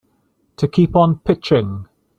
To keep on pitching.